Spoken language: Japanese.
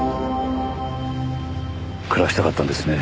暮らしたかったんですね